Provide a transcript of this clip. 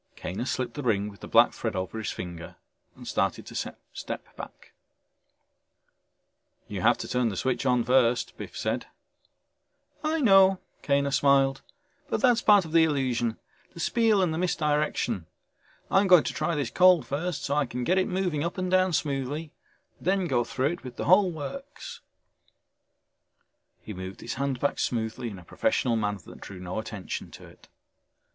Kaner slipped the ring with the black thread over his finger and started to step back. "You have to turn the switch on first," Biff said. "I know," Kaner smiled. "But that's part of illusion the spiel and the misdirection. I'm going to try this cold first, so I can get it moving up and down smoothly, then go through it with the whole works." [Illustration: ILLUSTRATED BY BREY] He moved his hand back smoothly, in a professional manner that drew no attention to it.